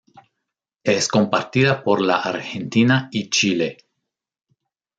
Es compartida por la Argentina y Chile.